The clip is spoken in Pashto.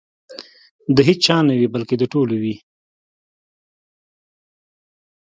د هیچا نه وي بلکې د ټولو وي.